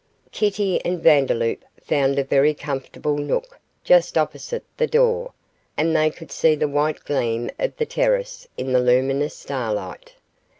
Kitty and Vandeloup found a very comfortable nook just opposite the door, and they could see the white gleam of the terrace in the luminous starlight.